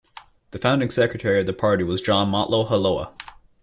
The founding secretary of the party was John Motloheloa.